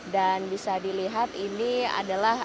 dan bisa dilihat ini adalah